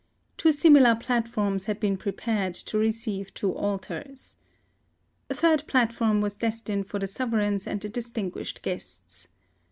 Two similar platforms had been prepared to receive two altars. A third platform was destined for the sove reigns and the distinguished guests.